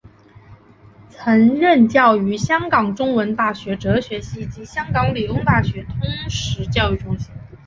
曾任教于香港中文大学哲学系及香港理工大学通识教育中心。